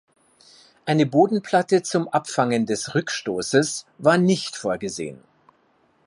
Eine Bodenplatte zum Abfangen des Rückstoßes war nicht vorgesehen.